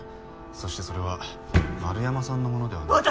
そしてそれは円山さんのものではなく。